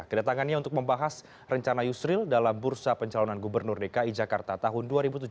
kedatangannya untuk membahas rencana yusril dalam bursa pencalonan gubernur dki jakarta tahun dua ribu tujuh belas